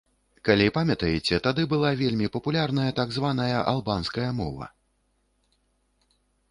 Калі памятаеце, тады была вельмі папулярная так званая албанская мова.